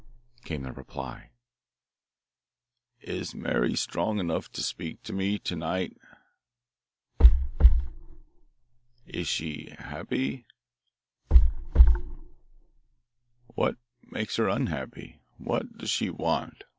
Rap! rap! rap! came the reply. "Is Mary strong enough to speak to me to night?" Rap! rap! "Is she happy?" Rap! rap! "What makes her unhappy? What does she want?